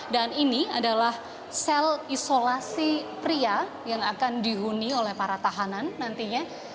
dan ini adalah sel isolasi pria yang akan dihuni oleh para tahanan nantinya